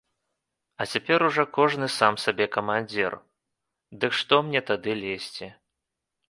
А цяпер ужо кожны сам сабе камандзір, дык што мне тады лезці.